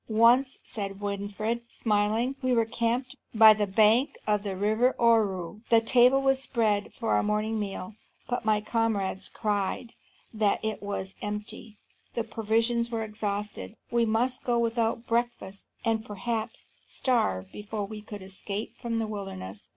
"Once," said Winfried, smiling, "we were camped by the bank of the river Ohru. The table was spread for the morning meal, but my comrades cried that it was empty; the provisions were exhausted; we must go without breakfast, and perhaps starve before we could escape from the wilderness.